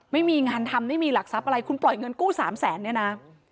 ไม่มีงานทำไม่มีหลักทรัพย์อะไรคุณปล่อยเงินกู้๓แสนเนี่ยนะ